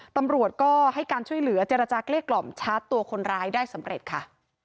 ตำรวจก็ให้การช่วยเหลือเจรจาเกลี้กล่อมชาร์จตัวคนร้ายได้สำเร็จค่ะ